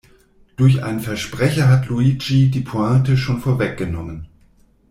Durch einen Versprecher hat Luigi die Pointe schon vorweggenommen.